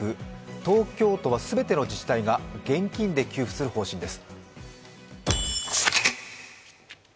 東京都は全ての自治体が現金で給付する方針です。